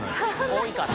多いから？